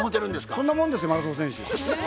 そんなもんですよマラソン選手。